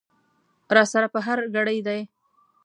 را سره په هر ګړي دي